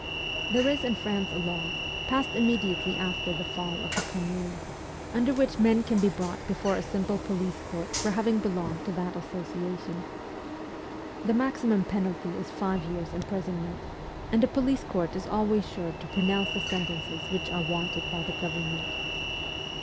There is in France a law, passed immediately after the fall of the Commune, under which men can be brought before a simple police court for having belonged to that associa tion. The maximum penalty is five years' imprison ment ; and a police court is always sure to pronounce the sentences which are wanted by the government.